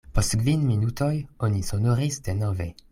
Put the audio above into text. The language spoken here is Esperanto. Post kvin minutoj oni sonoris denove.